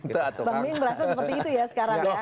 bang ming berasa seperti itu ya sekarang ya